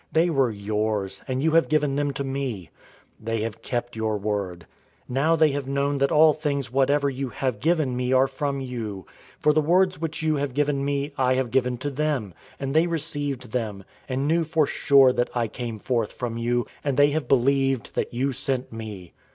They were yours, and you have given them to me. They have kept your word. 017:007 Now they have known that all things whatever you have given me are from you, 017:008 for the words which you have given me I have given to them, and they received them, and knew for sure that I came forth from you, and they have believed that you sent me.